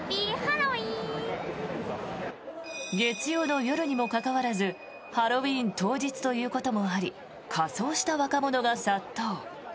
月曜の夜にもかかわらずハロウィーン当日ということもあり仮装した若者が殺到。